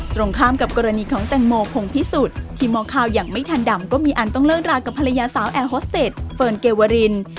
ตรงข้ามกับกรณีของแตงโมพงพิสุทธิ์ที่มองข่าวอย่างไม่ทันดำก็มีอันต้องเลิกรากับภรรยาสาวแอร์ฮอสเต็ดเฟิร์นเกวริน